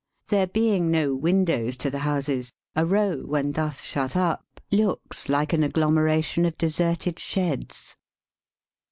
There being no windows to the houses, a row, when thus shut up, looks like an agglomeration of deserted sheds.